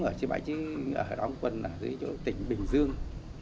ở đóng quân ở dưới chỗ tỉnh bình dương